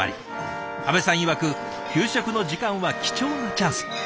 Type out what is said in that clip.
安部さんいわく給食の時間は貴重なチャンス。